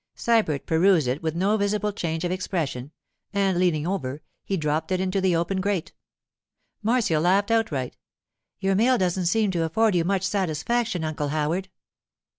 Sybert perused it with no visible change of expression, and leaning over, he dropped it into the open grate. Marcia laughed outright. 'Your mail doesn't seem to afford you much satisfaction, Uncle Howard.